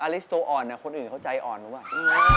ลิสตัวอ่อนคนอื่นเขาใจอ่อนหรือเปล่า